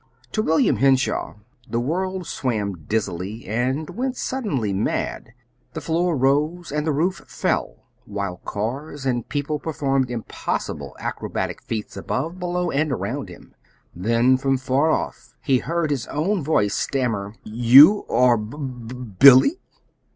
To William Henshaw the world swam dizzily, and went suddenly mad. The floor rose, and the roof fell, while cars and people performed impossible acrobatic feats above, below, and around him. Then, from afar off, he heard his own voice stammer: "You are B Billy!"